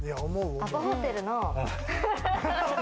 アパホテルの。